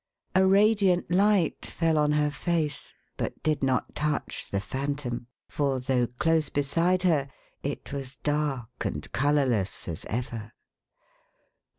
A radiant light fell on her face, but did not touch the Phantom ; for, though close beside her, it was dark and colourless as ever.